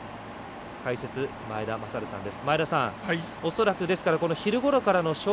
解説、前田正治さんです。